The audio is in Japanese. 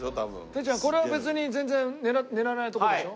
てっちゃんこれは別に全然狙わないとこでしょ？